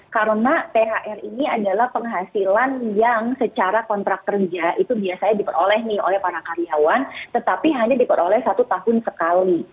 karena thr ini adalah penghasilan yang secara kontrak kerja itu biasanya diperoleh nih oleh para karyawan tetapi hanya diperoleh satu tahun sekali